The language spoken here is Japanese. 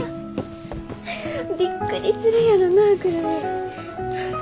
びっくりするやろな久留美。